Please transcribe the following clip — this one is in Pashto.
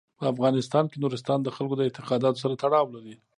په افغانستان کې نورستان د خلکو د اعتقاداتو سره تړاو لري.